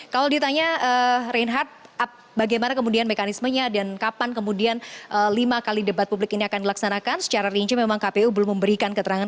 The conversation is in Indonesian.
kalau ditanya reinhardt bagaimana kemudian mekanismenya dan kapan kemudian lima kali debat publik ini akan dilaksanakan secara rinci memang kpu belum memberikan keterangan